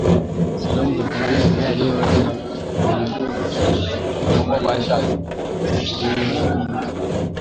Salamu za pongezi zatolewa na viongozi mbalimbali kwa Rais Mteule wa Kenya William Ruto